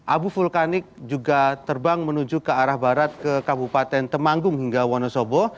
abu vulkanik juga terbang menuju ke arah barat ke kabupaten temanggung hingga wonosobo